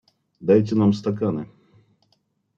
Дайте нам стаканы!